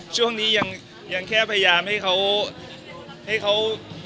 ช่วงนี้ยังแค่พยายามให้เค้า